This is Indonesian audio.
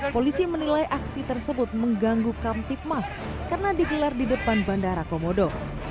polisi menilai aksi tersebut mengganggu kamtipmas karena digelar di depan bandara komodo